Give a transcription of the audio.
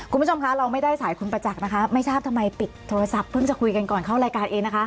คุณผู้ชมคะเราไม่ได้สายคุณประจักษ์นะคะไม่ทราบทำไมปิดโทรศัพท์เพิ่งจะคุยกันก่อนเข้ารายการเองนะคะ